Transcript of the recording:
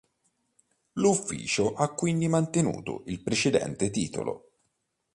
L'ufficio ha quindi mantenuto il precedente titolo.